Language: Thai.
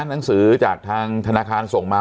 หนังสือจากทางธนาคารส่งมา